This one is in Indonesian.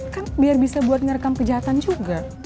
kan biar bisa buat ngerekam kejahatan juga